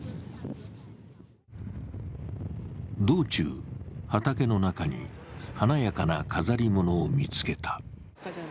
道中、畑の中に華やかな飾り物を見つけた。